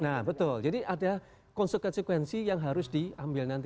nah betul jadi ada konsekuensi yang harus diambil nanti